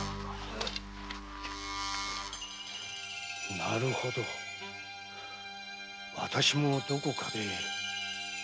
なるほどわたしもどこかで。